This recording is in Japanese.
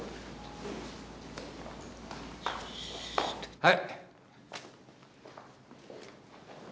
はい！